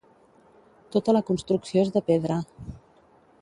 Tota la construcció és de pedra.